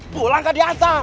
pulang gak diantar